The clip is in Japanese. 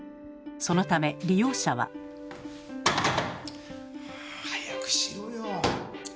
そのため利用者は。早くしろよ！